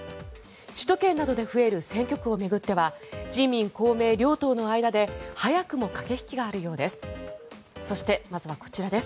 首都圏などで増える選挙区を巡っては自民・公明両党の間で早くも駆け引きがあるようです。